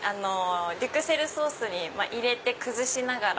デュクセルソースに入れて崩しながら。